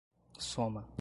soma